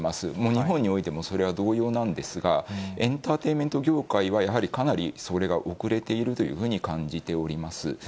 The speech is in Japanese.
日本においてもそれは同様なんですが、エンターテインメント業界というのはやはりかなりそれが遅れているというふうに感じております。